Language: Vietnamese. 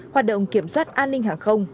hoạt động kiểm soát an ninh hàng không